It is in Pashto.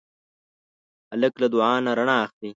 هلک له دعا نه رڼا اخلي.